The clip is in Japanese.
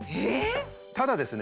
ただですね